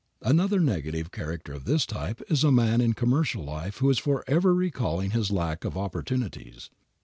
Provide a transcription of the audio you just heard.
Another negative character of this type is a man in commercial life who is forever recalling his lack of opportunities.